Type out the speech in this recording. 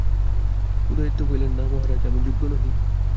উদয়াদিত্য কহিলেন, না মহারাজ, আমি যোগ্য নহি।